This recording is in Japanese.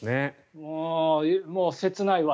もう切ないわ。